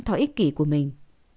thói ích kỷ của mình